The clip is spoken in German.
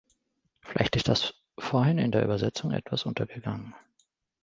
Vielleicht ist das vorhin in der Übersetzung etwas untergegangen.